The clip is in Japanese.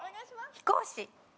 飛行士。